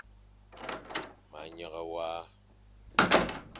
Ma nyeghe wa.